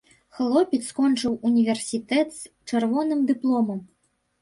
Хлопец скончыў універсітэт з чырвоным дыпломам.